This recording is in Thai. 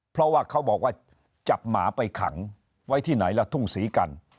เพราะว่าเขาบอกว่าจับหมาไปขังไว้ที่ไหนและทุ่งสีกัน